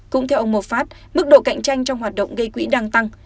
cũng theo ông mofast mức độ cạnh tranh trong hoạt động gây quỹ đang tăng